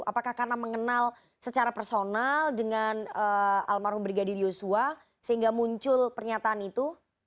apakah karena mengenal secara personal dengan almarhum brigadir yosua sehingga muncul pernyataan itu